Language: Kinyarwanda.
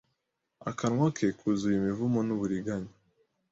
Akanwa ke kuzuye imivumo n uburinganya